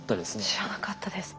知らなかったです。